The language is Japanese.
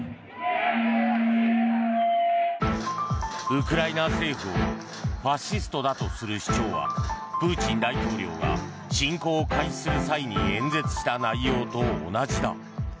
ウクライナ政府をファシストだとする主張はプーチン大統領が侵攻を開始する際に演説した内容と同じだ。